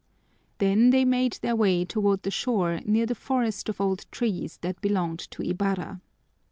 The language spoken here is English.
Then they made their way toward the shore near the forest of old trees that belonged to Ibarra.